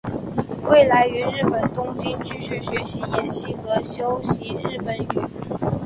未来于日本东京继续学习演戏和修习日本语。